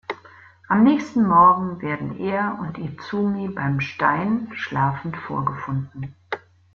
Am nächsten Morgen werden er und Izumi beim Stein schlafend vorgefunden.